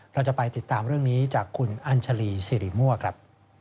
เราจะไปติดตามเรื่องนี้จากคุณอัญชาลีสิริมั่วครับ